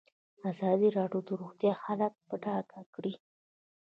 ازادي راډیو د روغتیا حالت په ډاګه کړی.